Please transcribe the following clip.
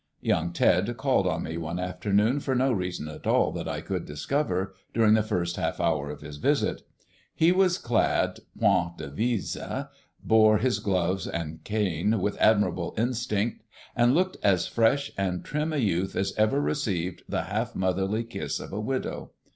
Young Ted called on me one afternoon for no reason at all that I could discover during the first half hour of his visit. He was clad point devise, bore his gloves and cane with admirable instinct, and looked as fresh and trim a youth as ever received the half motherly kiss of a widow.